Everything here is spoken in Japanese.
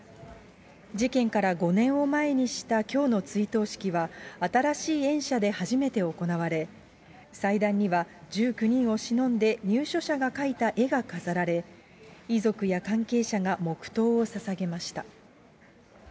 事件から５年を前にしたきょうの追悼式は、新しい園舎で初めて行われ、祭壇には１９人をしのんで入所者が描いた絵が飾られ、遺族や関係者が黙とうをささげました。